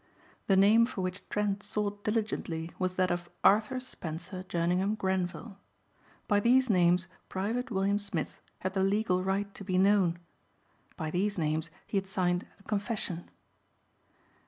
The name for which Trent sought diligently was that of Arthur Spencer Jerningham Grenvil. By these names Private William Smith had the legal right to be known. By these names he had signed a confession.